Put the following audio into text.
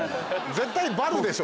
絶対バルでしょ？